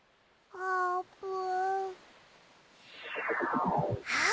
あーぷん！